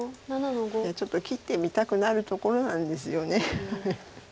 いやちょっと切ってみたくなるところなんですよね。